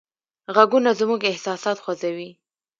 غږونه زموږ احساسات خوځوي.